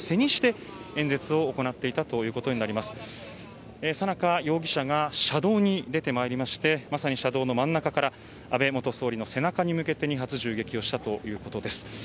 そのさなか、容疑者が車道に出てまいりましてまさに車道の真ん中から安倍元総理の背中に向けて２発、銃撃をしたということです。